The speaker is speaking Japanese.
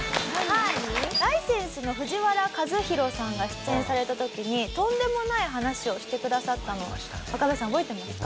ライセンスの藤原一裕さんが出演された時にとんでもない話をしてくださったのを若林さん覚えてますか？